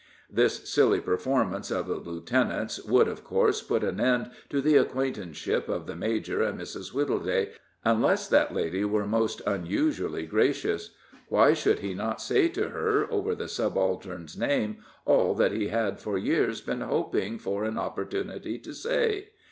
This silly performance of the lieutenant's would, of course, put an end to the acquaintanceship of the major and Mrs. Wittleday, unless that lady were most unusually gracious. Why should he not say to her, over the subaltern's name, all that he had for years been hoping for an opportunity to say?